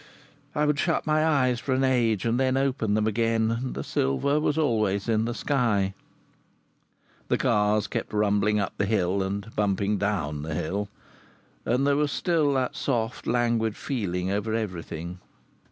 I would shut my eyes for an age, and then open them again, and the silver was always in the sky. The cars kept rumbling up the hill and bumping down the hill. And there was still that soft, languid feeling over everything.